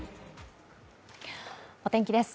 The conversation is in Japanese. お天気です。